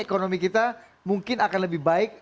ekonomi kita mungkin akan lebih baik